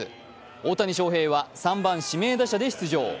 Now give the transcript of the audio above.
大谷翔平は３番・指名打者で出場。